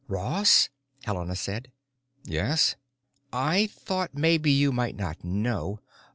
"Ross," Helena said. "Yes?" "I thought maybe you might not know.